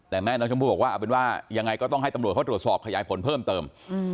แต่แม่น้องชมพู่บอกว่าเอาเป็นว่ายังไงก็ต้องให้ตำรวจเขาตรวจสอบขยายผลเพิ่มเติม